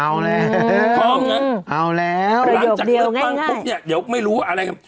เอาแล้วพร้อมแล้วเอาแล้วหลังจากเลือกตั้งปุ๊บเนี่ยเดี๋ยวไม่รู้ว่าอะไรกัน